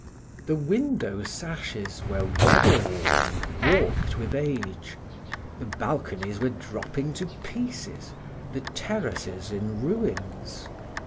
The window sashes were weather worn and warped with age, the balconies were dropping to pieces, the terraces in ruins.